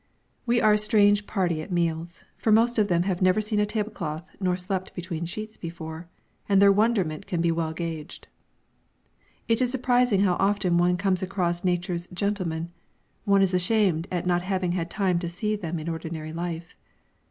We are a strange party at meals, for most of them have never seen a tablecloth nor slept between sheets before, and their wonderment can be well gauged. It is surprising how often one comes across Nature's gentlemen; one is ashamed at not having had time to see them in ordinary life.